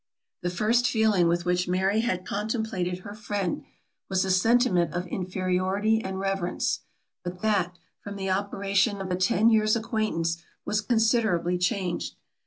The first feeling with which Mary had contemplated her friend, was a sentiment of inferiority and reverence; but that, from the operation of a ten years' acquaintance, was considerably changed.